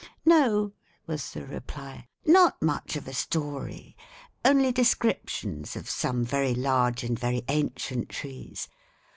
"No," was the reply, "not much of a story; only descriptions of some very large and very ancient trees.